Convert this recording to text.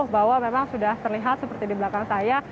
bahwa memang sudah terlihat seperti di belakang saya